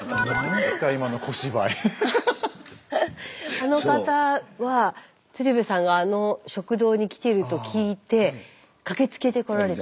あの方は鶴瓶さんがあの食堂に来てると聞いて駆けつけてこられた。